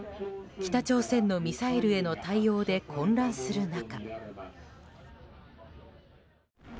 北朝鮮へのミサイルの対応で混乱する中。